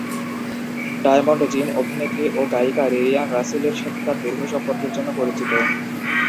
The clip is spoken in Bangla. ডায়মন্ড জিম অভিনেত্রী ও গায়িকা লিলিয়ান রাসেলের সাথে তার দীর্ঘ সম্পর্কের জন্য পরিচিত।